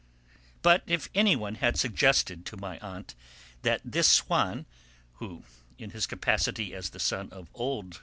But if anyone had suggested to my aunt that this Swann, who, in his capacity as the son of old M.